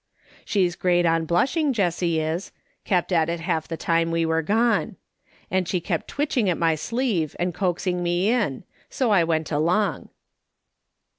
She's great on blushing, Jessie is ; kept at it half the time we were gone. And she kept twitching at my sleeve, and a coaxing me in ; so I went along.